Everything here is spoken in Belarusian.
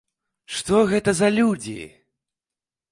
Што гэта за людзі?